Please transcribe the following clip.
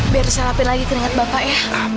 biar saya lapin lagi keringat bapak ya